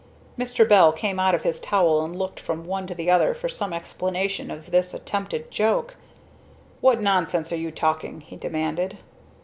Mr. Bell came out of his towel and looked from one to the other for some explanation of this attempted joke, "What nonsense are you talking?" he demanded.